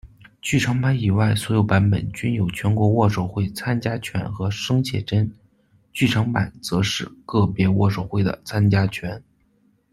剧场版以外所有版本均有全国握手会参加券和生写真，剧场版则是个别握手会的参加券。